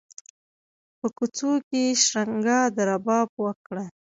په کوڅو کې یې شرنګا د رباب ورکه